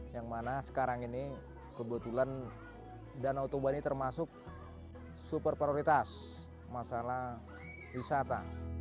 yang mana sekarang ini kebetulan danau toba ini termasuk super prioritas masalah wisata